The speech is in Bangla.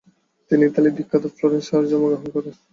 তিনি ইতালির বিখ্যাত ফ্লোরেন্স শহরে জন্মগ্রহণ করেন।